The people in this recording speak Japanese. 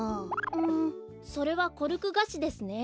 んそれはコルクガシですね。